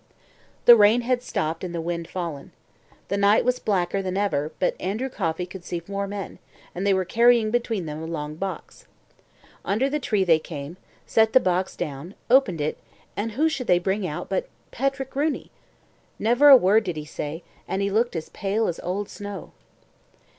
The rain had stopped and the wind fallen. The night was blacker than ever, but Andrew Coffey could see four men, and they were carrying between them a long box. Under the tree they came, set the box down, opened it, and who should they bring out but Patrick Rooney. Never a word did he say, and he looked as pale as old snow.